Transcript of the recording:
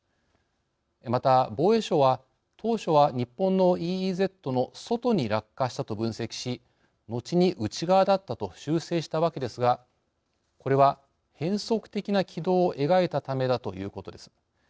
また、防衛省は当初は日本のＥＥＺの外に落下したと分析し後に内側だったと修正したわけですがこれは変則的な軌道を描いたためだということです。